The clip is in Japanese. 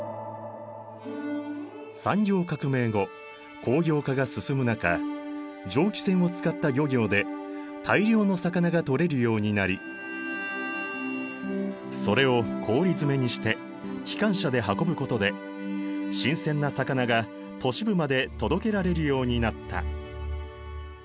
産業革命後工業化が進む中蒸気船を使った漁業で大量の魚が取れるようになりそれを氷詰めにして機関車で運ぶことで新鮮な魚が都市部まで届けられるようになった。